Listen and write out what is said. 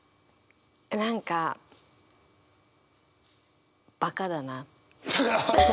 何かバカだな。